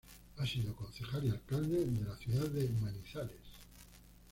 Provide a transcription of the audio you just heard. Ha sido concejal y alcalde de la ciudad de Manizales.